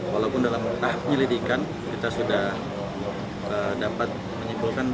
walaupun dalam tahap penyelidikan kita sudah dapat menyimpulkan